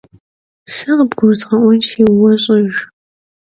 Se khıbgurızğe'uenşi, vue ş'ıjj.